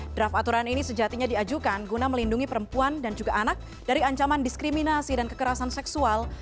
draft aturan ini sejatinya diajukan guna melindungi perempuan dan juga anak dari ancaman diskriminasi dan kekerasan seksual